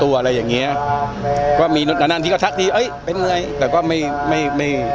อะไรอย่างเงี้ยก็มีนานทีก็ทักทีเอ้ยเป็นไงแต่ก็ไม่ไม่ไม่